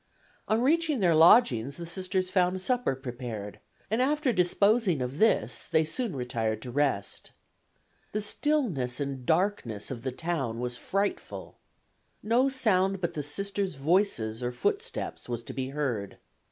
On reaching their lodgings the Sisters found supper prepared, and after disposing of this they soon retired to rest. The stillness and darkness of the town was frightful. No sound but the Sisters' voices or footsteps was to be heard.